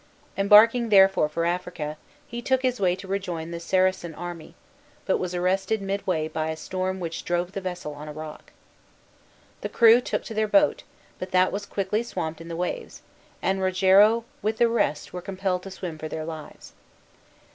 Embarking, therefore, for Africa, he took his way to rejoin the Saracen army; but was arrested midway by a storm which drove the vessel on a rock. The crew took to their boat, but that was quickly swamped in the waves, and Rogero with the rest were compelled to swim for their lives.